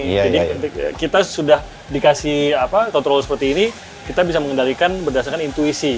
jadi kita sudah dikasih apa controller seperti ini kita bisa mengendalikan berdasarkan intuisi